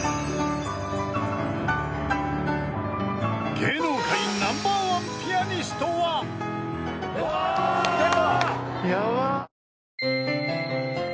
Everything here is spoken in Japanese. ［芸能界ナンバーワンピアニストは？］